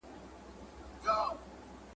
کېدای سي کتاب اوږد وي!؟